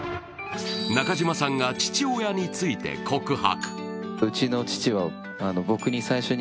中島さんが父親について告白。